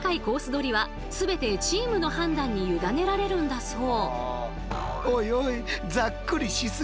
取りは全てチームの判断に委ねられるんだそう。